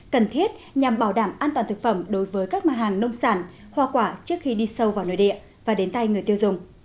cần thiết nhằm bảo đảm an toàn thực phẩm đối với các mặt hàng nông sản hoa quả trước khi đi sâu vào nơi địa và đến tay người tiêu dùng